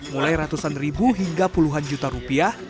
mulai ratusan ribu hingga puluhan juta rupiah